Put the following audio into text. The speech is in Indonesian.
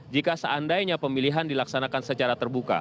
jika seandainya pemilihan dilaksanakan secara terbuka